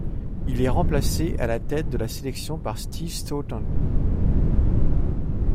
Il est remplacé à la tête de la sélection par Steve Staunton.